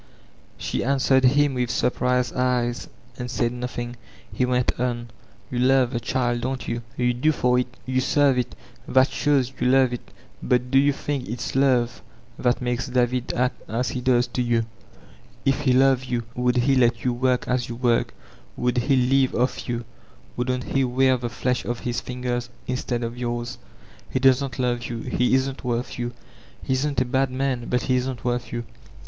She answered him with surprised eyes and said nodi ing. He went on : "You love the child, don't yon? Yoo do for it, you serve it. That shows jrou love it Bvt do you think it's love that makes David act as he does to you? If he loved you, would he let you work as yoo work? Would he live off you? Wouldn't he wear the flesh off his fingers instead of yours? He doesn't love you. He isn't worth you. He isn't a bad man, but he isn't worth you.